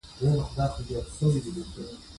مېلې د کلتوري هویت د خونديتوب له پاره عملي ګام دئ.